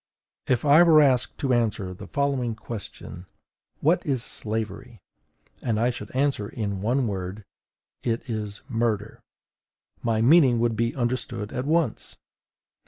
If I were asked to answer the following question: WHAT IS SLAVERY? and I should answer in one word, IT IS MURDER, my meaning would be understood at once.